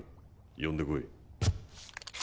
呼んでこい。